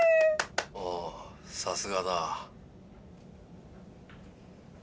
おさすがだ。